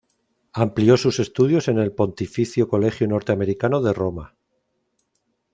Amplió sus estudios en el Pontificio Colegio Norteamericano de Roma.